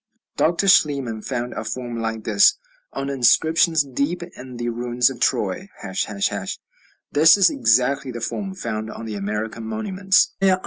Dr. Schliemann found a form like this on inscriptions deep in the ruins of Troy, ###. This is exactly the form found on the American monuments.